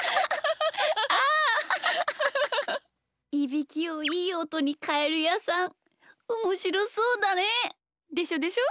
いびきをいいおとにかえるやさんおもしろそうだねえ。でしょでしょ？